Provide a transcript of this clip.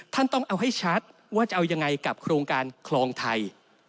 ท่านต้องเอาให้ชัดว่าจะเอายังไงกับโครงการคลองไทย